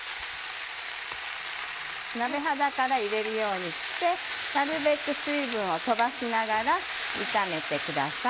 鍋肌から入れるようにしてなるべく水分を飛ばしながら炒めてください。